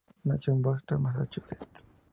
Nación en Boston, Massachusetts.